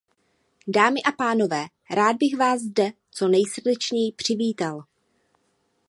Dámy a pánové, rád bych vás zde co nejsrdečněji přivítal.